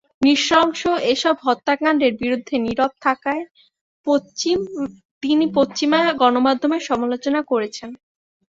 নৃশংস এসব হত্যাকাণ্ডের বিরুদ্ধে নীরব থাকায় তিনি পশ্চিমা গণমাধ্যমের সমালোচনা করেছেন।